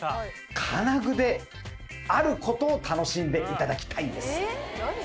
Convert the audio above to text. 金具である事を楽しんで頂きたいんです。